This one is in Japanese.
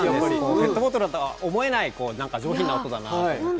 ペットボトルとは思えない上品な音だなと思っていて。